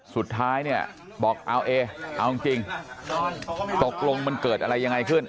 สุดท้ายเนี่ยบอกเอาเอเอาจริงตกลงมันเกิดอะไรยังไงขึ้น